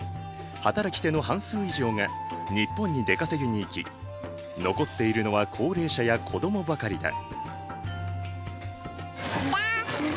働き手の半数以上が日本に出稼ぎに行き残っているのは高齢者や子供ばかりだ。